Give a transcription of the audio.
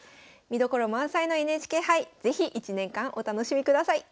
見どころ満載のＮＨＫ杯是非１年間お楽しみください。